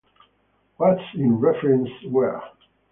What it's references were.